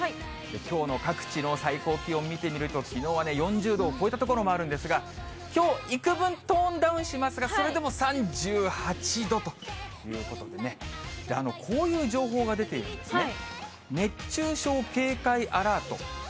きょうの各地の最高気温見てみると、きのうはね、４０度を超えた所もあるんですが、きょう、いくぶん、トーンダウンしますが、それでも３８度ということでね、こういう情報が出ているんですね。